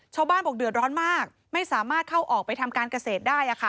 ชาวบ้านบอกเดือดร้อนมากไม่สามารถเข้าออกไปทำการเกษตรได้